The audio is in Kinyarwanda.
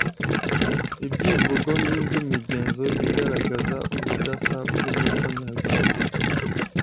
ibyivugo n’indi migenzo igaragaza ubudasa bw’umuco Nyarwanda